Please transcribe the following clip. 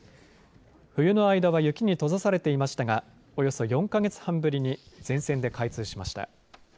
冬の間は雪に閉ざされていましたがおよそ４か月半ぶりに全線で開通しました。